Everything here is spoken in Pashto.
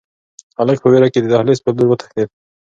هلک په وېره کې د دهلېز په لور وتښتېد.